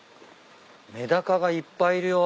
メダカがいっぱいいるよ。